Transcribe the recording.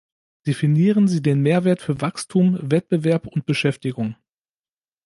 Definieren Sie den Mehrwert für Wachstum, Wettbewerb und Beschäftigung!